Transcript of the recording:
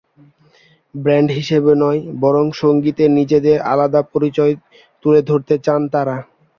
Band হিসেবে নয়, বরং সংগীতে নিজেদের আলাদা পরিচয় তুলে ধরতে চান তাঁরা।